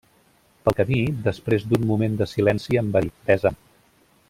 Pel camí, després d'un moment de silenci em va dir: besa'm.